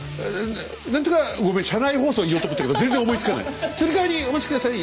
何とかごめん車内放送言おうと思ったけど全然思いつかない。